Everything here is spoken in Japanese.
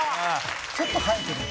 「ちょっと生えてる」